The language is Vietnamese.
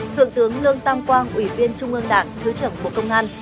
thượng tướng lương tam quang ủy viên trung ương đảng thứ trưởng bộ công an